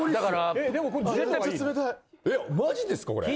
えっマジですかこれ？